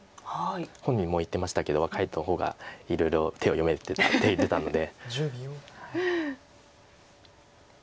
本人も言ってましたけど若い人の方がいろいろ手を読めるって言ってたので。